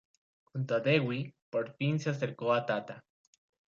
Junto a Dewi por fin se acercó a Tata.